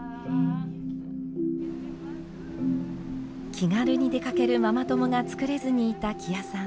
気軽に出かけるママ友が作れずにいた木屋さん。